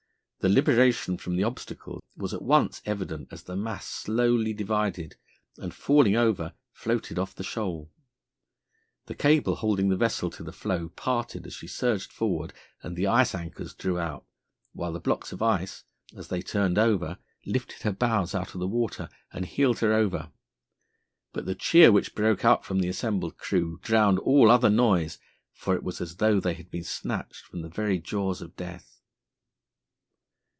The liberation from the obstacle was at once evident as the mass slowly divided and, falling over, floated off the shoal. The cable holding the vessel to the floe parted as she surged forward and the ice anchors drew out, while the blocks of ice, as they turned over, lifted her bows out of the water and heeled her over; but the cheer which broke from the assembled crew drowned all other noise, for it was as though they had been snatched from the very jaws of death.